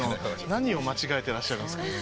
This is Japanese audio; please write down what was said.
何を間違えてらっしゃるんですかね。